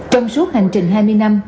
trong suốt hành trình hai mươi năm